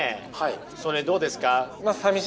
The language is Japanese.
それどうですか？